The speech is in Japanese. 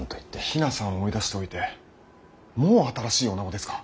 比奈さんを追い出しておいてもう新しい女子ですか。